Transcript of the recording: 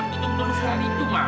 dia berbentuk bentuk surat itu ma